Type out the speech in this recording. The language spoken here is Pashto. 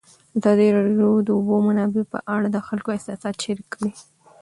ازادي راډیو د د اوبو منابع په اړه د خلکو احساسات شریک کړي.